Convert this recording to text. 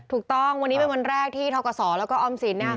ถูกต้องวันนี้เป็นวันแรกที่ทกศแล้วก็ออมสิน